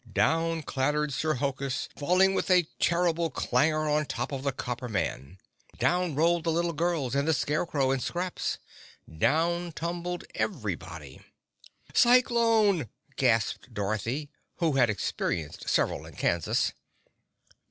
Down clattered Sir Hokus, falling with a terrible clangor on top of the Copper Man. Down rolled the little girls and the Scarecrow and Scraps. Down tumbled everybody. "Cyclone!" gasped Dorothy, who had experienced several in Kansas.